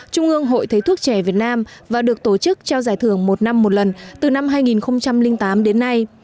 trung ương hội thấy thuốc trẻ việt nam và được tổ chức trao giải thưởng một năm một lần từ năm hai nghìn tám đến nay